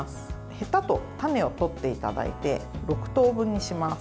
へたと種を取っていただいて６等分にします。